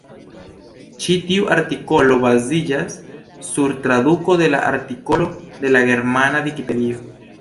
Ĉi-tiu artikolo baziĝas sur traduko de la artikolo de la germana vikipedio.